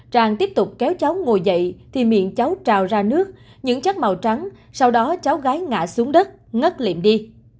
trang tiếp tục kéo cháu ngồi dậy thì miệng cháu trào ra nước những chất màu trắng sau đó cháu gái ngã xuống đất ngất liềm đi